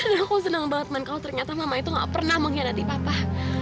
dan aku senang banget man kalau ternyata mama itu gak pernah mengkhianati papa